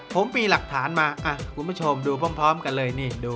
ผมมีหลักฐานมาคุณผู้ชมดูพร้อมกันเลยนี่ดู